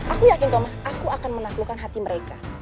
aku yakin kau ma aku akan menaklukkan hati mereka